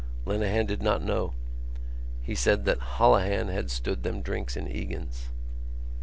Lenehan did not know: he said that Holohan had stood them drinks in Egan's.